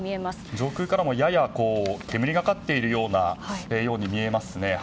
上空からも、やや煙が立っているように見えますね。